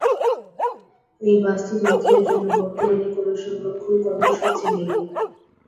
এই বাস্তুতন্ত্রের জন্য বর্তমানে কোন সংরক্ষণ কর্মসূচি নেই।